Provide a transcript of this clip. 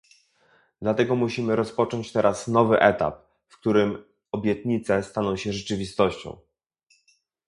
Dlatego musimy rozpocząć teraz nowy etap, w którym obietnice staną się rzeczywistością